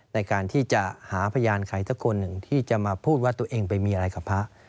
ในการที่จะหาพยานใครสักคนหนึ่งที่จะมาพูดว่าตัวเองไปมีอะไรกับพระ